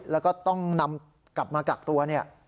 แล้วก็ต้องนำกลับมากลับตัว